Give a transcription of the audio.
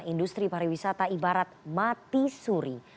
industri pariwisata ibarat mati suri